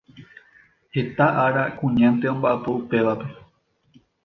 Heta ára kuñánte omba’apo upévape.